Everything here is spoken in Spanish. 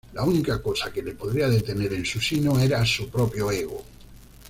La única cosa que le podría detener en su sino era su propio ego.